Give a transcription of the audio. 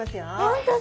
本当だ。